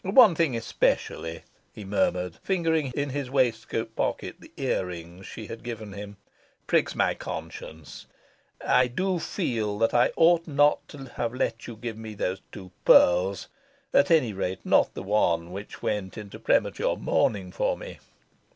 One thing especially," he murmured, fingering in his waistcoat pocket the ear rings she had given him, "pricks my conscience. I do feel that I ought not to have let you give me these two pearls at any rate, not the one which went into premature mourning for me.